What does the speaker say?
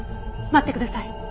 待ってください！